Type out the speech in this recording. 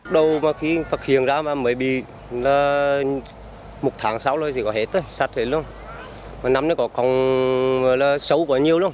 đầu khi phát hiện ra mới bị một tháng sau rồi thì có hết sạch hết luôn năm đó còn sâu quá nhiều luôn